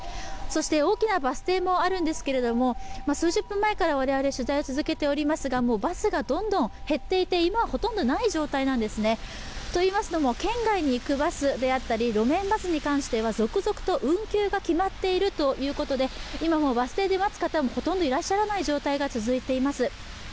大きなバス停もあるんですけども、数十分前から我々、取材を続けておりますが、バスがどんどん減っていて今はほとんどない状態なんですね。といいますのも、県外に行くバスであったり路面バスに関しては続々と運休が決まっているということで、今もバス停で待つ方もほとんどいらっしゃらない状態が続いています。